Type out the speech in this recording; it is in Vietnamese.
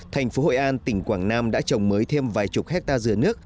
thành phố hội an tỉnh quảng nam đã trồng mới thêm vài chục hectare dừa nước